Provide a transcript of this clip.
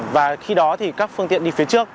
và khi đó thì các phương tiện đi phía trước